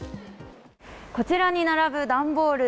こちらに並ぶ段ボール